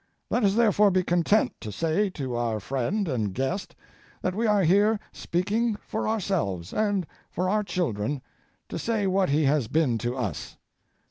Let us therefore be content to say to our friend and guest that we are here speaking for ourselves and for our children, to say what he has been to us.